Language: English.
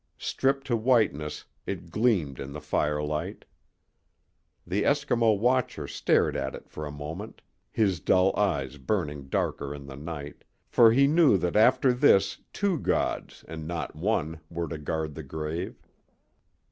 Stripped to whiteness, it gleamed in the firelight. The Eskimo watcher stared at it for a moment, his dull eyes burning darker in the night, for he knew that after this two gods, and not one, were to guard the grave.